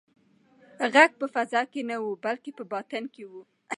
غږ په فضا کې نه و بلکې په باطن کې و.